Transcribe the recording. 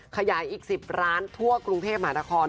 ขยายอีก๑๐ร้านทั่วกรุงเทพมหานคร